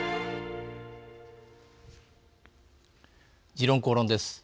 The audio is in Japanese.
「時論公論」です。